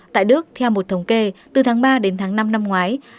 tại đức theo một thống kê từ tháng ba đến tháng năm năm ngoái